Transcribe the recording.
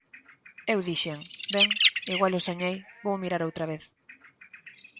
Eu dixen: Ben, igual o soñei, vou mirar outra vez.